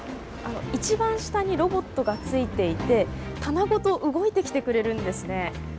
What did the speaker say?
一番下にロボットがついていて棚ごと動いてきてくれるんですね。